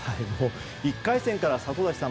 １回戦から里崎さん